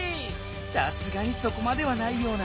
さすがにそこまではないような。